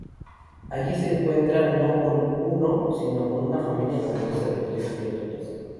Allí se encuentran no con uno sino con una familia compuesta de tres criaturas.